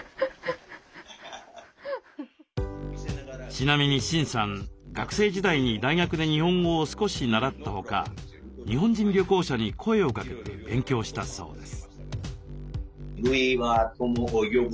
ちなみにシンさん学生時代に大学で日本語を少し習ったほか日本人旅行者に声をかけて勉強したそうです。